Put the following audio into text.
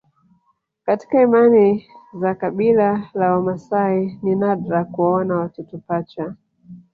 Katika imani za kabila la Wamaasai ni nadra kuwaona watoto pacha